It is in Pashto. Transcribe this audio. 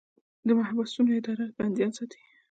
د محبسونو اداره بندیان ساتي